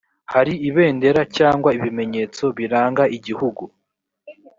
hari ibendera cyangwa ibimenyetso biranga igihugu